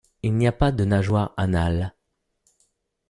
Il n'y a pas de nageoire anale.